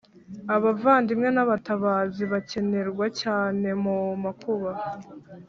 Abavandimwe n’abatabazi bakenerwa cyane mu makuba,